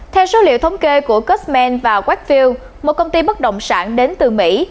theo số liệu thống kê của cutsman và whitefield một công ty bất động sản đến từ mỹ